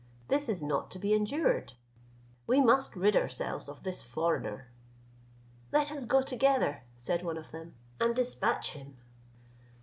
this is not to be endured. We must rid ourselves of this foreigner." "Let us go together," said one of them, "and dispatch him."